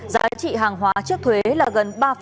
giá trị hàng hóa trước thuế là gần